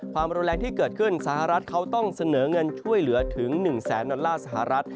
ความรุนแรงที่เกิดขึ้นสหรัฐเขาต้องเสนอเงินช่วยเหลือถึง๑แสนดอลลาร์สหรัฐ